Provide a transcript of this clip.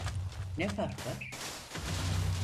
Ne fark var?